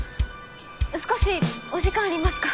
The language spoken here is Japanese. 少しお時間ありますか？